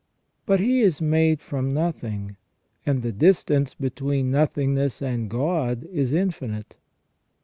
But he is made from nothing, and the distance between nothingness and God is infinite.